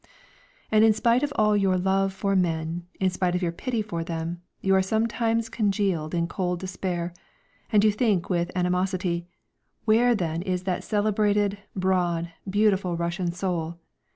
And in spite of all your love for men, in spite of your pity for them, you are sometimes congealed in cold despair and you think with animosity: "Where then is that celebrated, broad, beautiful Russian soul?